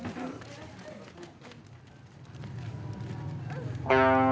tolong ada yang mau melahirkan